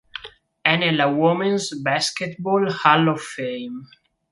È nella Women's Basketball Hall of Fame.